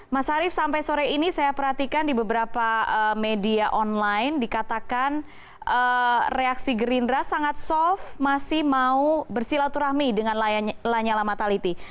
mas arief sampai sore ini saya perhatikan di beberapa media online dikatakan reaksi gerindra sangat soft masih mau bersilaturahmi dengan lanyala mataliti